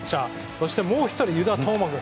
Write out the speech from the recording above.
そしてもう１人、湯田統真君。